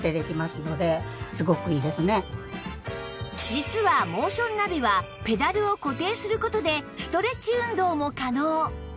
実はモーションナビはペダルを固定する事でストレッチ運動も可能